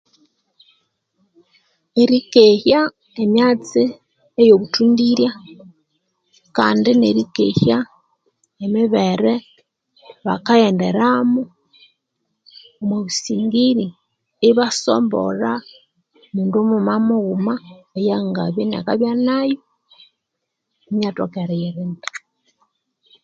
Lyerikehya emyatsi eyo obuthundirya kandi neri Kehya emibere bakaghenderamu omwa busingiri, ibasombolha mundu mughuma mughuma ayangabya inakabya nayo inathoka eriyirinda.